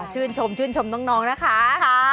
ชื่นชมน้องนะคะ